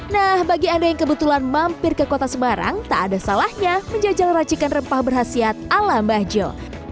nah bagi anda yang kebetulan mampir ke kota semarang tak ada salahnya menjajal racikan rempah berhasiat ala mbahjo